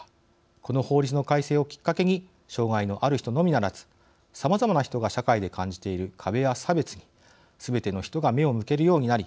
この法律の改正をきっかけに障害のある人のみならずさまざまな人が社会で感じている壁や差別にすべての人が目を向けるようになり